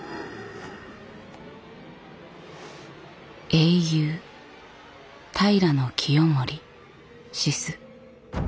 英雄平清盛死す。